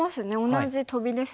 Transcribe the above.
同じトビですね。